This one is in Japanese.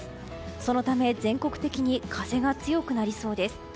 そのため全国的に風が強くなりそうです。